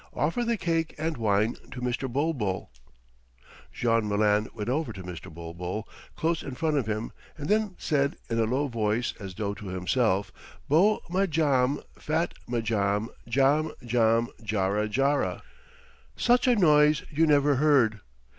Offer the cake and wine to Mr. Bulbul." Jean Malin went over to Mr. Bulbul, close in front of him, and then he said in a low voice, as though to himself, "Beau Madjam, fat Madjam, djam, djam, djara, djara!" Such a noise you never heard.